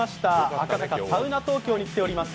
赤坂・サウナ東京に来ております。